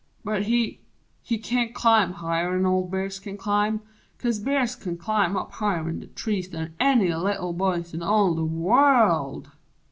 But he He can't climb higher 'an old Bears kin climb, 'Cause Bears kin climb up higher in the trees Than any little Boys in all the Wo r r ld!